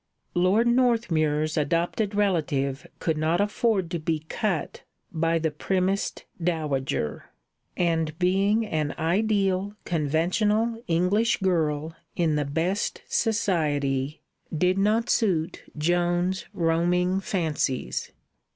Lord Northmuir's adopted relative could not afford to be "cut" by the primmest dowager; and being an ideal, conventional English girl in the best society did not suit Joan's roaming fancies.